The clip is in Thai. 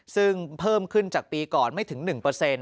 ซึ่งเพิ่มขึ้นจากปีก่อนไม่ถึง๑